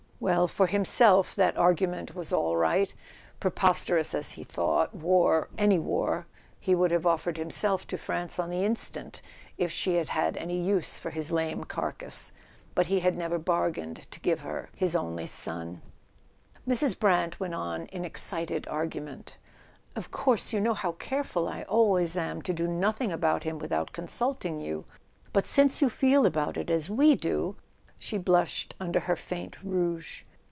Well, for himself that argu¬ ment was all right: preposterous as he thought war— any war—he would have offered himself to France on the instant if she had had any use for his lame car¬ cass. But he had never bargained to give her his only son. Mrs. Brant went on in excited argument. "Of course you know how careful I always am to do nothing about him without consulting you; but since you feel about it as we do " She blushed under her faint rouge.